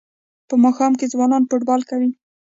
په ماښام کې ځوانان فوټبال کوي.